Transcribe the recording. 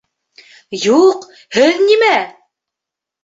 Юҡ, һеҙ нимә!